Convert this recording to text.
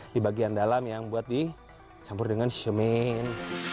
di bagian dalam yang buat dicampur dengan semen